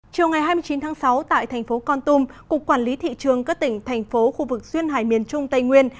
chiều ngày hai mươi chín tháng sáu tại thành phố con tum cục quản lý thị trường các tỉnh thành phố khu vực duyên hải miền trung tây nguyên